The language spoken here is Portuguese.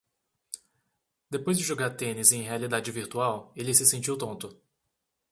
Depois de jogar tênis em realidade virtual, ele se sentiu tonto.